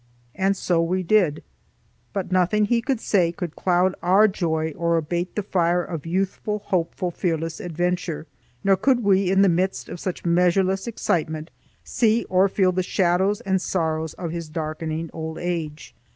And so we did. But nothing he could say could cloud our joy or abate the fire of youthful, hopeful, fearless adventure. Nor could we in the midst of such measureless excitement see or feel the shadows and sorrows of his darkening old age.